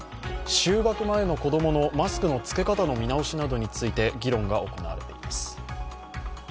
就学前の子供のマスクの着け方の見直しなどについて議論が行われています。